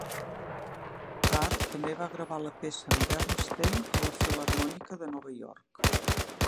Karr també va gravar la peça amb Bernstein i la Filharmònica de Nova York.